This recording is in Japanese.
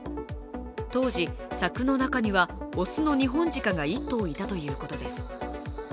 当時、柵の中にはおすのニホンジカが１頭いたということです。